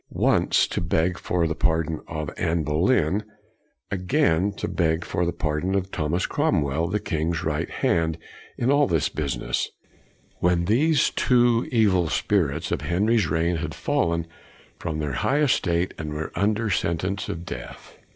Once to beg for the pardon of Anne Boleyn, again to beg for the pardon of Thomas Cromwell, the king's right hand in all this business, when these two evil spirits of Henry's reign had fallen from their high estate and were under sentence of death.